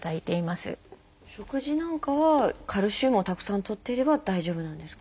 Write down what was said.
食事なんかはカルシウムをたくさんとっていれば大丈夫なんですか？